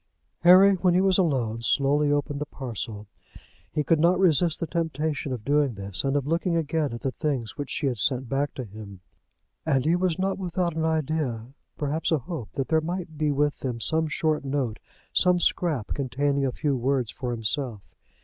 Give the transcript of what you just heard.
Harry, when he was alone, slowly opened the parcel. He could not resist the temptation of doing this, and of looking again at the things which she had sent back to him. And he was not without an idea, perhaps a hope that there might be with them some short note, some scrap containing a few words for himself.